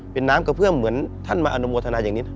เป็นน้ำกระเพื่อมเหมือนท่านมาอนุโมทนาอย่างนี้